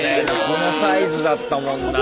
このサイズだったもんな。